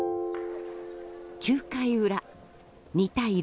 ９回裏、２対０。